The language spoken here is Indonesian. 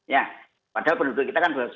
ya padahal penduduk kita kan